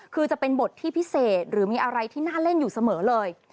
คือจะเป็นบทที่พิเศษหรือมีอะไรที่น่าเล่นอยู่เสมอเลย